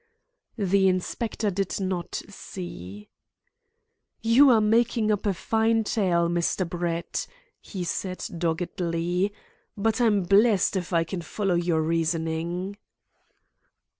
The inspector did not see. "You are making up a fine tale, Mr. Brett," he said doggedly, "but I'm blessed if I can follow your reasoning."